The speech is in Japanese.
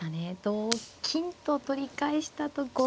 同金と取り返した時に。